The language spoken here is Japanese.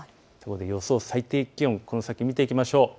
予想最低気温この先見ていきましょう。